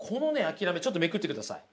諦めちょっとめくってください。